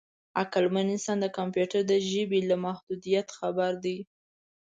عقلمن انسان د کمپیوټر د ژبې له محدودیت خبر دی.